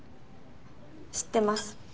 知ってます。